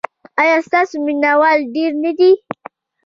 ایا ستاسو مینه وال ډیر نه دي؟